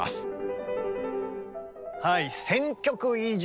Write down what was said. １，０００曲以上。